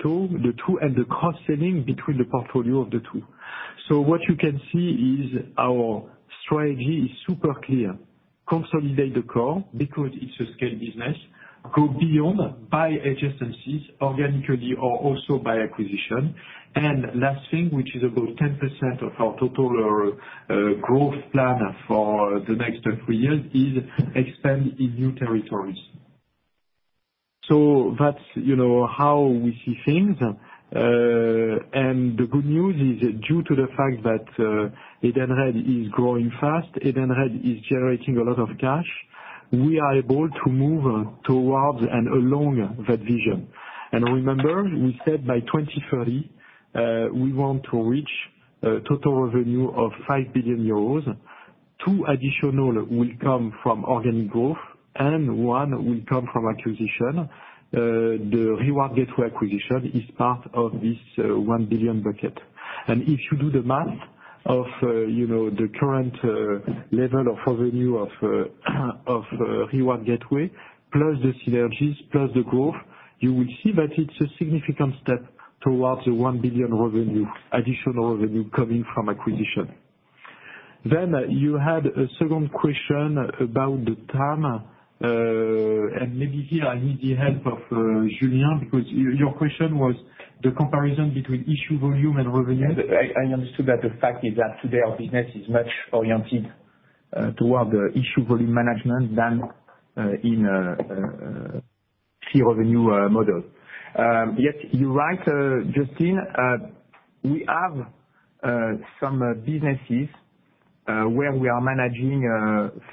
two and the cross-selling between the portfolio of the two. What you can see is our strategy is super clear. Consolidate the core because it's a scale business. Go Beyond by adjacencies, organically or also by acquisition. Last thing, which is about 10% of our total growth plan for the next three years is expand in new territories. That's, you know, how we see things. The good news is due to the fact that Edenred is growing fast, Edenred is generating a lot of cash. We are able to move towards and along that vision. Remember, we said by 2030, we want to reach a total revenue of 5 billion euros. Two additional will come from organic growth and one will come from acquisition. The Reward Gateway acquisition is part of this 1 billion bucket. If you do the math of, you know, the current level of revenue of Reward Gateway, plus the synergies, plus the growth, you will see that it's a significant step towards the 1 billion revenue, additional revenue coming from acquisition. You had a second question about the term, and maybe here I need the help of Julien, because your question was the comparison between issue volume and revenue. I understood that the fact is that today our business is much oriented toward the issue volume management than in a fee revenue model. Yes, you're right, Justin. We have some businesses where we are managing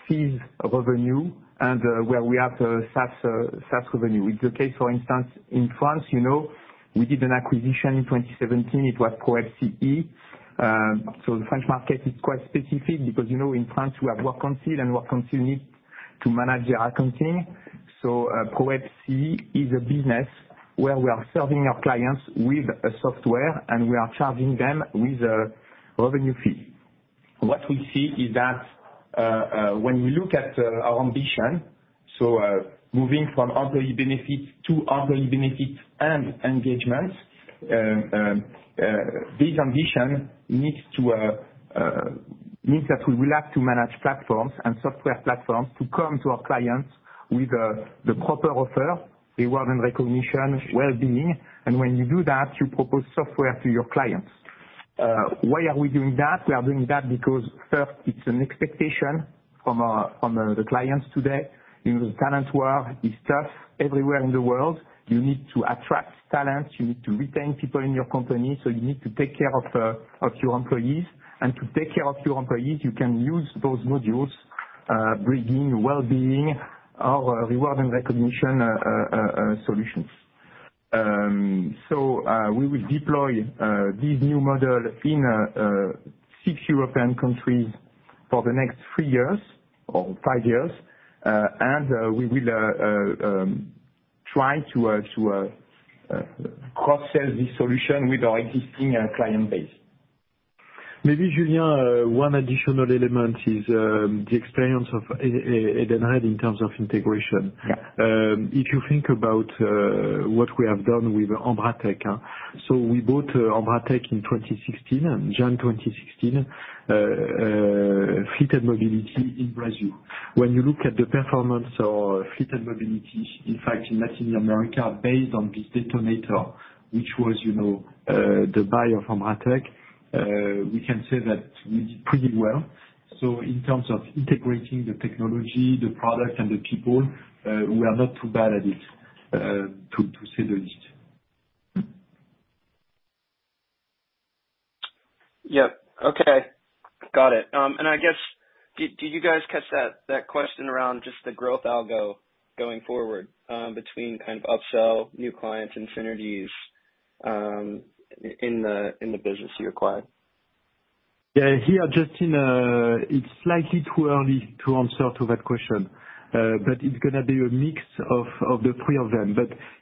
fees revenue and where we have SaaS revenue. It's the case, for instance, in France, you know, we did an acquisition in 2017. It was ProwebCE. The French market is quite specific because, you know, in France, we have Works Council and Works Council needs to manage their accounting. ProwebCE is a business where we are serving our clients with a software, and we are charging them with a revenue fee. What we see is that when we look at our ambition, moving from employee benefits to employee benefits and engagement, this ambition needs to means that we will have to manage platforms and software platforms to come to our clients with the proper offer, reward and recognition, well-being. When you do that, you propose software to your clients. Why are we doing that? We are doing that because first it's an expectation from the clients today. You know, the talent war is tough everywhere in the world. You need to attract talent. You need to retain people in your company, so you need to take care of your employees. To take care of your employees, you can use those modules, bringing well-being or reward and recognition solutions. We will deploy this new model in six European countries for the next three years or five years. We will try to cross-sell this solution with our existing client base. Maybe Julien, one additional element is the experience of Edenred in terms of integration. Yeah. If you think about what we have done with Embratec, we bought Embratec in 2016, June 2016. Fleet and mobility in Brazil. When you look at the performance of fleet and mobility, in fact, in Latin America, based on this detonator, which was, you know, the buyer from Embratec, we can say that we did pretty well. In terms of integrating the technology, the product and the people, we are not too bad at it, to say the least. Yep. Okay. Got it. I guess did you guys catch that question around just the growth algo going forward, between kind of upsell, new clients and synergies, in the business you acquired? Yeah. Here, Justin, it's slightly too early to answer to that question. It's going to be a mix of the three of them.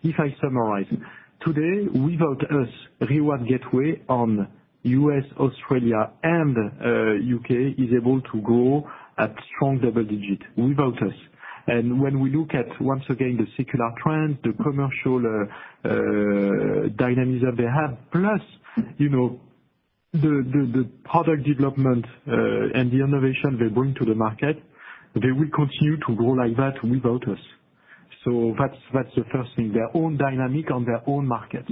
If I summarize, today, without us, Reward Gateway on U.S., Australia and U.K. is able to grow at strong double-digit without us. When we look at once again, the secular trend, the commercial dynamics that they have, plus, you know, the product development and the innovation they bring to the market, they will continue to grow like that without us. That's the first thing, their own dynamic on their own market.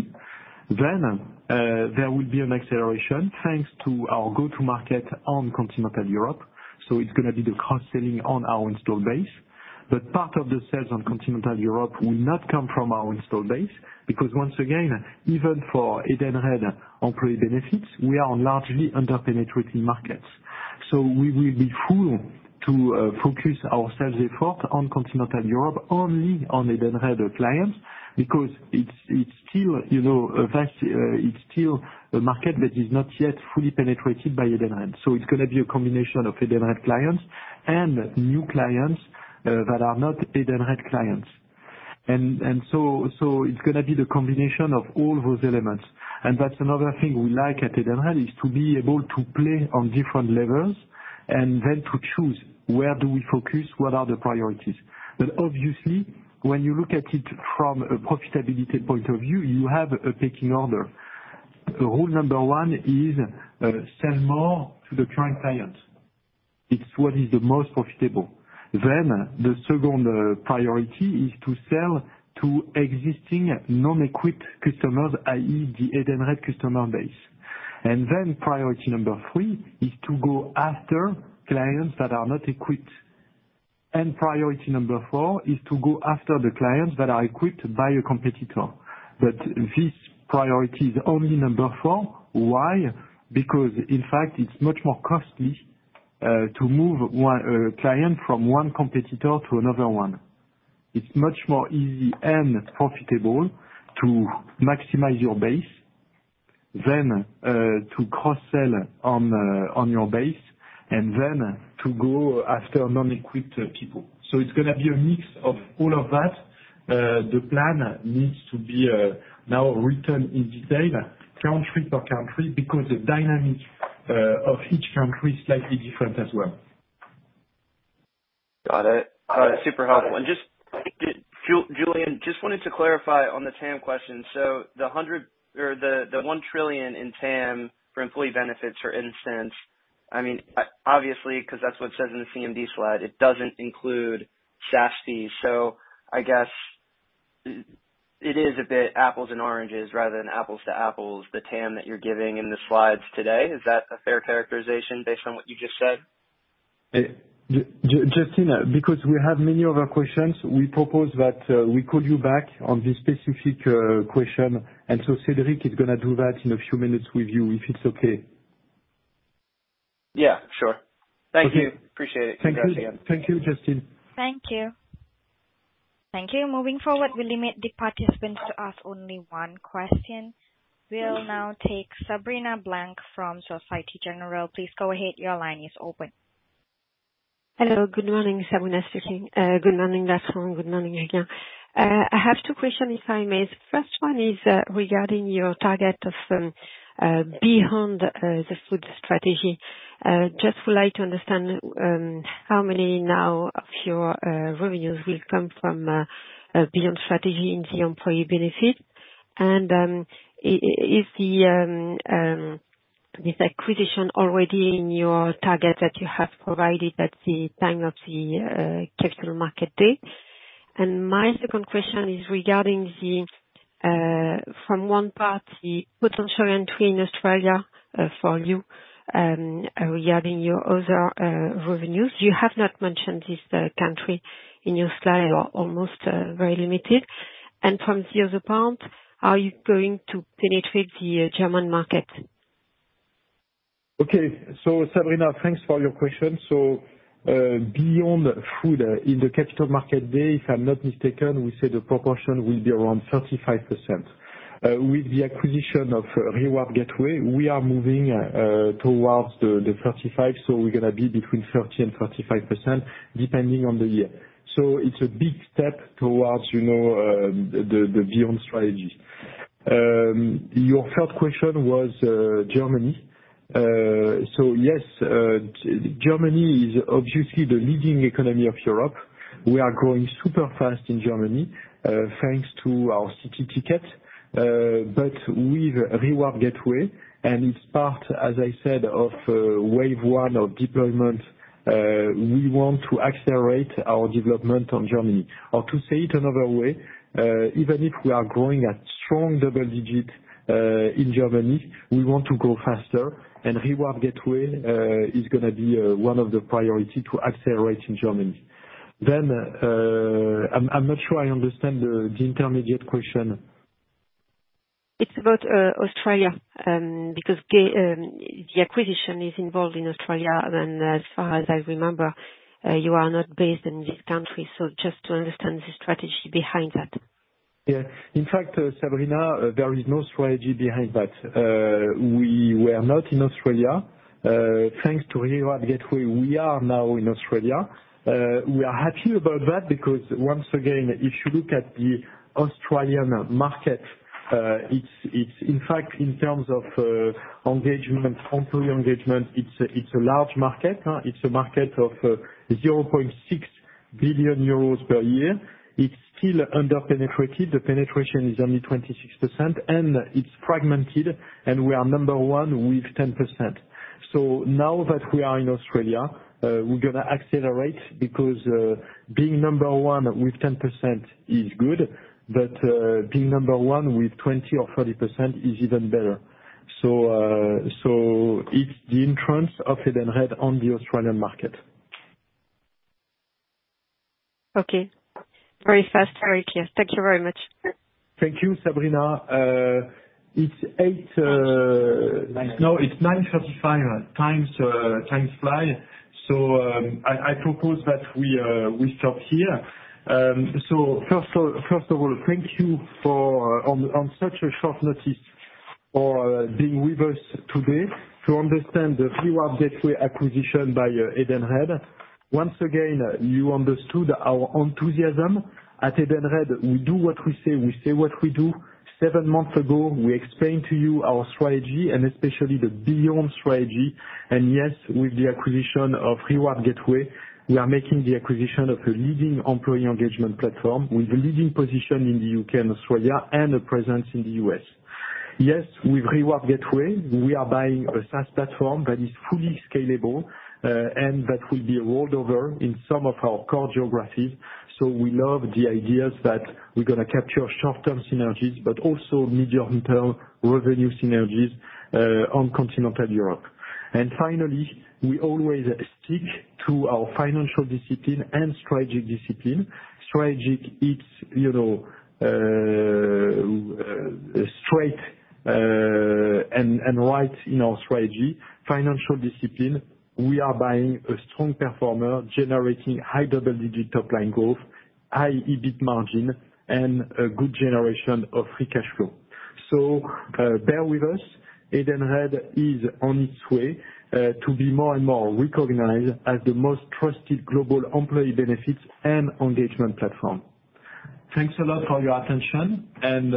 There will be an acceleration thanks to our go-to-market on continental Europe. It's going to be the cross-selling on our installed base. Part of the sales on continental Europe will not come from our installed base. Once again, even for Edenred employee benefits, we are largely under-penetrating markets. We will be fool to focus our sales effort on continental Europe only on Edenred clients. It's still, you know, a market that is not yet fully penetrated by Edenred. It's gonna be a combination of Edenred clients and new clients that are not Edenred clients. It's gonna be the combination of all those elements. That's another thing we like at Edenred, is to be able to play on different levels and then to choose where do we focus, what are the priorities. Obviously, when you look at it from a profitability point of view, you have a pecking order. Rule number one is sell more to the current clients. It's what is the most profitable. The second priority is to sell to existing non-equipped customers, i.e, the Edenred customer base. Priority number three is to go after clients that are not equipped. Priority number four is to go after the clients that are equipped by a competitor. This priority is only number four. Because in fact it's much more costly to move one client from one competitor to another one. It's much more easy and profitable to maximize your base than to cross-sell on your base, and then to go after non-equipped people. It's gonna be a mix of all of that. The plan needs to be now written in detail country per country, because the dynamics of each country is slightly different as well. Got it. Super helpful. Just Julien, just wanted to clarify on the TAM question. The hundred or the 1 trillion in TAM for employee benefits, for instance. I mean, obviously, 'cause that's what it says in the CMD slide, it doesn't include SaaS fees. I guess it is a bit apples and oranges rather than apples to apples, the TAM that you're giving in the slides today. Is that a fair characterization based on what you just said? Justin, because we have many other questions, we propose that, we call you back on this specific question. Cédric is gonna do that in a few minutes with you, if it's okay. Yeah, sure. Okay. Thank you. Appreciate it. Thank you. Thanks again. Thank you, Justin. Thank you. Thank you. Moving forward, we limit the participants to ask only one question. We'll now take Sabrina Blanc from Société Générale. Please go ahead. Your line is open. Hello, good morning. Sabrina speaking. Good morning, Bertrand. Good morning, Julien. I have two questions, if I may. The first one is regarding your target of Beyond, the food strategy. Just would like to understand how many now of your revenues will come from Beyond strategy in the employee benefit? Is this acquisition already in your target that you have provided at the time of the Capital Markets Day? My second question is regarding the from one part, the potential entry in Australia for you regarding your other revenues. You have not mentioned this country in your slide or almost very limited. From the other part, are you going to penetrate the German market? Okay. Sabrina, thanks for your question. Beyond food in the Capital Markets Day, if I'm not mistaken, we said the proportion will be around 35%. With the acquisition of Reward Gateway, we are moving towards the 35%. We're gonna be between 30% and 35% depending on the year. It's a big step towards, you know, the Beyond strategy. Your third question was, Germany. Yes, Germany is obviously the leading economy of Europe. We are growing super fast in Germany, thanks to our Edenred City, but with Reward Gateway, and it's part, as I said, of wave 1 of deployment, we want to accelerate our development on Germany. To say it another way, even if we are growing at strong double-digit, in Germany, we want to grow faster. Reward Gateway is gonna be one of the priority to accelerate in Germany. I'm not sure I understand the intermediate question. It's about Australia, because the acquisition is involved in Australia, and as far as I remember, you are not based in this country, so just to understand the strategy behind that. In fact, Sabrina, there is no strategy behind that. We were not in Australia. Thanks to Reward Gateway, we are now in Australia. We are happy about that because once again, if you look at the Australian market, it's in fact in terms of engagement, employee engagement, it's a large market. It's a market of 0.6 billion euros per year. It's still under-penetrated. The penetration is only 26%, and it's fragmented, and we are number one with 10%. Now that we are in Australia, we're gonna accelerate because being number one with 10% is good, but being number one with 20% or 30% is even better. It's the entrance of Edenred on the Australian market. Okay. Very fast, very clear. Thank you very much. Thank you, Sabrina. It's 8. Nine. It's 9:35. Time flies. I propose that we stop here. First of all, thank you for on such a short notice for being with us today to understand the Reward Gateway acquisition by Edenred. Once again, you understood our enthusiasm. At Edenred, we do what we say, we say what we do. Seven months ago, we explained to you our strategy and especially the Beyond strategy. Yes, with the acquisition of Reward Gateway, we are making the acquisition of a leading employee engagement platform with a leading position in the U.K. and Australia and a presence in the U.S. Yes, with Reward Gateway, we are buying a SaaS platform that is fully scalable and that will be rolled over in some of our core geographies. We love the ideas that we're gonna capture short-term synergies, but also medium-term revenue synergies on continental Europe. Finally, we always stick to our financial discipline and strategic discipline. Strategic, it's, you know, straight and right in our strategy. Financial discipline, we are buying a strong performer generating high double-digit top-line growth, high EBIT margin, and a good generation of free cash flow. Bear with us. Edenred is on its way to be more and more recognized as the most trusted global employee benefits and engagement platform. Thanks a lot for your attention and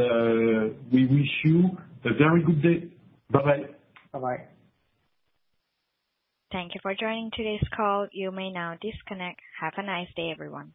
we wish you a very good day. Bye-bye. Bye-bye. Thank you for joining today's call. You may now disconnect. Have a nice day, everyone.